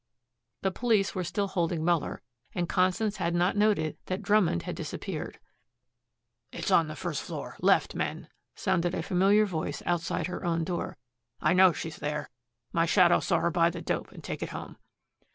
The police were still holding Muller, and Constance had not noted that Drummond had disappeared. "It's on the first floor left, men," sounded a familiar voice outside her own door. "I know she's there. My shadow saw her buy the dope and take it home."